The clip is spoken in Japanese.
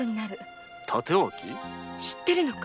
知ってるのか？